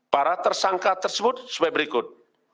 para tersangka tersebut sebagai berikut